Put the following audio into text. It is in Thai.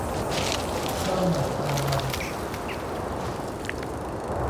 ข้าวใหม่ปลามัน